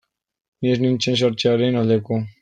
Ni ez nintzen sartzearen aldeko.